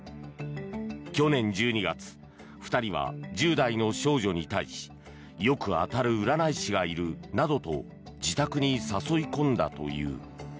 去年１２月２人は１０代の少女に対しよく当たる占い師がいるなどと自宅に誘い込んだという。